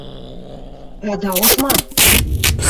Ада уж ма?